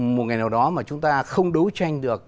một ngày nào đó mà chúng ta không đấu tranh được